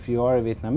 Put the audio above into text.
quốc gia việt nam